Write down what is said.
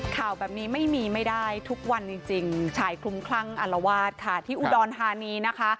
ข่าวแบบนี้ไม่มีไม่ได้ทุกวันจริงชายคลุมคลั่งอารวาสค่ะที่อุดรธานีนะคะ